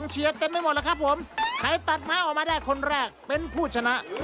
หมดแล้วครับผมใครตัดไม้ออกมาได้คนแรกเป็นผู้ชนะ